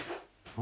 「何？」